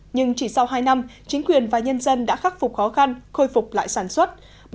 nhưng chỉ sau hai năm chính quyền và nhân dân đã khắc phục khó khăn khôi phục lại sản xuất